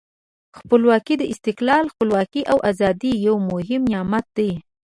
خپلواکي د استقلال، خپلواکي او آزادۍ یو مهم نعمت دی.